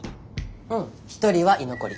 うん１人は居残り。